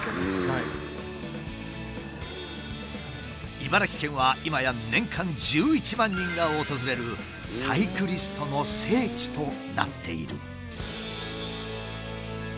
茨城県は今や年間１１万人が訪れるサイクリストの聖地となっている。